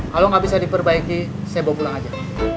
kalau nggak bisa diperbaiki saya bawa pulang aja